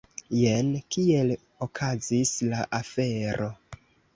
Jen kiel okazis la afero!